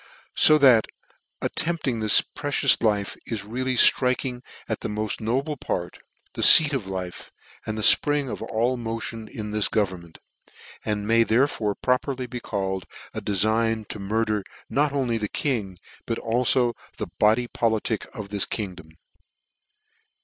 " So that attempting this precious life, is really ftriking at the moft noble part, the feat of life, and fpring of all motion in this government; and may therefore properly be called a defign to murder not only the king, but alib the body politick of this kingdom.